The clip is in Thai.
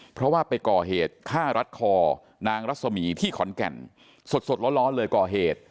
เพราะว่าไปก่อเหตุฆ่ารัดคอนางรัศมีที่ขอนแก่นสดร้อนเลยก่อเหตุ